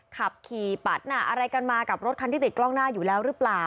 ขับขี่ปัดหน้าอะไรกันมากับรถคันที่ติดกล้องหน้าอยู่แล้วหรือเปล่า